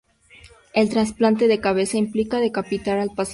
El trasplante de cabeza implica decapitar al paciente.